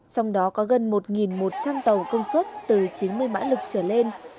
trong đó có gần một một trăm linh tàu công suất từ chín mươi mã lực trở lên